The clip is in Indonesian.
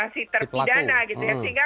si terpidana gitu ya sehingga